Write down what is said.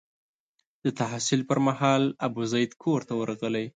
د تحصیل پر مهال ابوزید کور ته ورغلی.